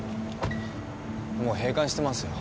もう閉館してますよ。